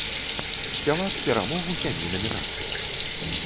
Спявак перамог у сямі намінацыях.